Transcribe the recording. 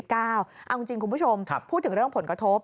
เอาจริงคุณผู้ชมพูดถึงเรื่องผลกระทบ